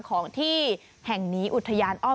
ของที่แห่งนี้อุทยานอ้อม